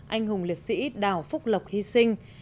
anh hùng liệt sĩ đào phúc lộc hy sinh